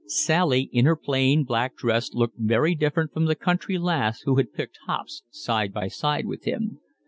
Sally in her plain black dress looked very different from the country lass who had picked hops side by side with him.